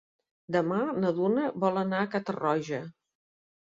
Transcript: Demà na Duna vol anar a Catarroja.